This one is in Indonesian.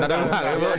tidak tidak tidak